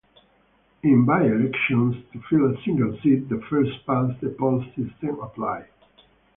In by-elections, to fill a single seat, the first past the post system applied.